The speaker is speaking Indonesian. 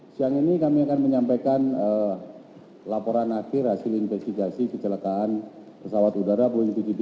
siang ini kami akan menyampaikan laporan akhir hasil investigasi kecelakaan pesawat udara b tiga puluh tujuh tiga puluh tujuh